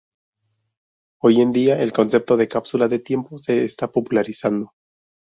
Hoy en día, el concepto de "cápsula del tiempo" se está popularizando.